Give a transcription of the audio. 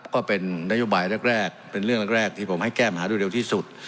ก็เป็นนโยบายแรกเป็นเรื่องแรกที่ผมให้แก้ปัญหาโดยเร็วที่สุด